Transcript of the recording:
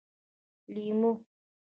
🍋 لېمو